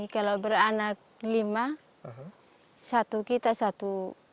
kalau beranak lima satu kita satu